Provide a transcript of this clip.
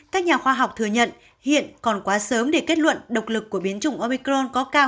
các nhà khoa học thừa nhận hiện còn quá sớm để kết luận độc lực của biến chủng opicron có cao